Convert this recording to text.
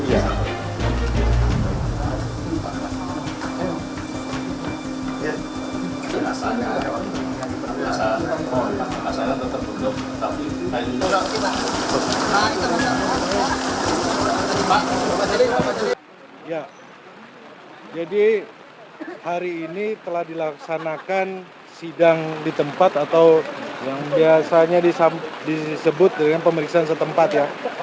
ya jadi hari ini telah dilaksanakan sidang di tempat atau yang biasanya disebut dengan pemeriksaan setempat ya